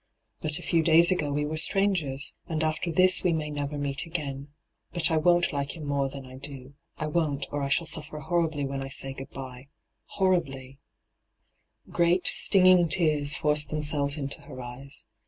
But a few days ago we were strangers, and after this we may never meet again. But I won't like him more than I do. I won't, or I shall suflfer horribly when I say good bye — horribly I' Great, stinging tears forced themselves into her eyes.